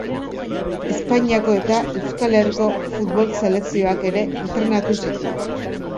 Espainiako eta Euskal Herriko futbol selekzioak ere entrenatu zituen.